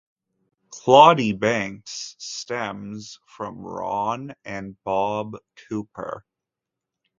"Claudy Banks" stems from Ron and Bob Copper.